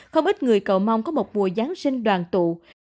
không ít người cầu mong có một mùa giáng sinh đoàn tụ